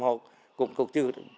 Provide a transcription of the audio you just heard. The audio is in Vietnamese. họ cũng tự